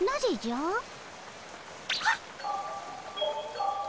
はっ。